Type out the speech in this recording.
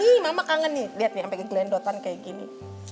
ih mama kangen nih lihat nih sampai ke glendotan kayak gini